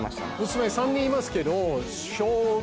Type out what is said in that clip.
娘３人いますけど。